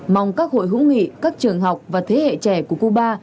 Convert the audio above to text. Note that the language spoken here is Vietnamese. mong các hội hữu nghị các trường học và thế hệ trẻ của cuba